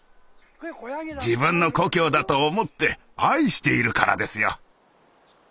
自分の故郷だと思って愛しているからですよ。